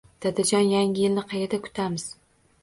Dadajon, yangi yilni qayerda kutamiz?